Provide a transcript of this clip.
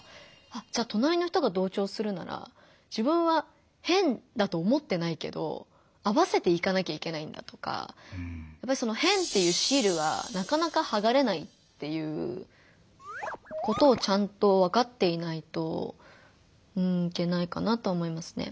じゃとなりの人が同調するなら自分は変だと思ってないけど合わせていかなきゃいけないんだとかやっぱりその「変」っていうシールはなかなかはがれないっていうことをちゃんとわかっていないといけないかなとは思いますね。